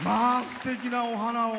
すてきなお花を。